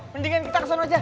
mendingan kita kesana aja